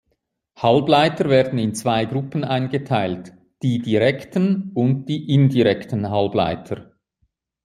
Halbleiter werden in zwei Gruppen eingeteilt, die "direkten" und die "indirekten" Halbleiter.